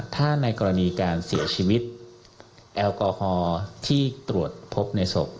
ถ้าในกรณีการเสียชีวิตแอลกอฮอล์ที่ตรวจพบในศพ